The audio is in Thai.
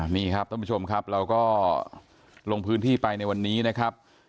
นี่ครับท่านผู้ชมครับเราก็ลงพื้นที่ไปในวันนี้นะครับ